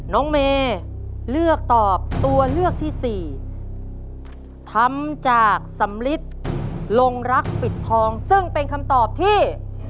น้องเมย์เลือกตอบตัวเลือกที่สี่ทำจากสำลิดลงรักปิดทองซึ่งเป็นคำตอบที่